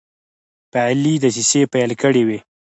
فعالي دسیسې پیل کړي وې.